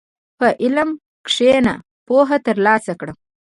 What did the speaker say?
په علم کښېنه، پوهه ترلاسه کړه.